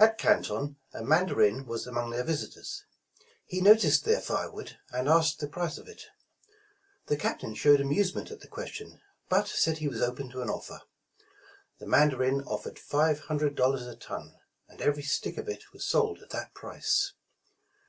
At Canton, a mandarin was among their visitors. He noticed their fire wood, and asked the price of it. The Captain showed amusement at the question, but said he was open to an offer. The mandarin of fered five hundred dollars a ton, and everv stick of it was sold at that price.